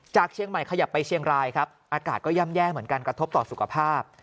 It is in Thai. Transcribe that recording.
เชียงใหม่ขยับไปเชียงรายครับอากาศก็ย่ำแย่เหมือนกันกระทบต่อสุขภาพ